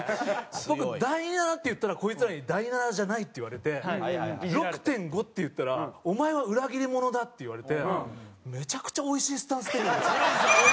僕「第七」って言ったらこいつらに「第七じゃない」って言われて「６．５」って言ったら「お前は裏切り者だ」って言われてめちゃくちゃおいしいスタンス手に入れた。